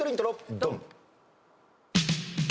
ドン！